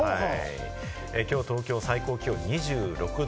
今日は東京、最高気温２６度。